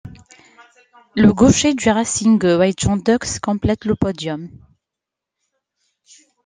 Le gaucher du Racing White Jean Dockx complète le podium.